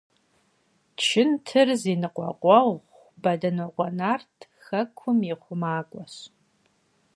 «Чынтыр зи ныкъуэкъуэгъу» Бэдынокъуэ нарт хэкум и хъумакӏуэщ.